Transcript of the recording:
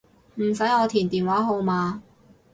唔使我填電話號碼